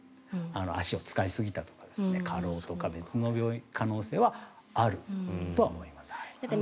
足を使いすぎたとか過労とか別の可能性はあるとは思います。